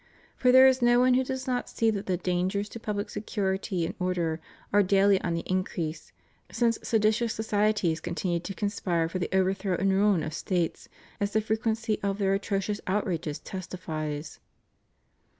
For there is no one who does not see that the dangers to public security and order are daily on the increase, since seditious societies continue to conspire for the overthrow and ruin of States, as the frequency of their atrocious outrages testifies.